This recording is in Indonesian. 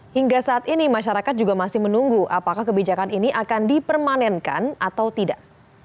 hingga saat ini masyarakat juga masih menunggu apakah kebijakan ini akan dipermanenkan atau tidak